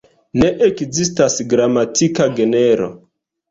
Ne ekzistas gramatika genro.